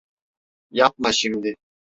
Yapma şimdi.